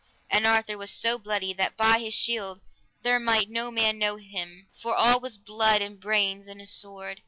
And Arthur was so bloody, that by his shield there might no man know him, for all was blood and brains on his sword.